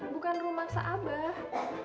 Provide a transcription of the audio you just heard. bukan lu maksa abah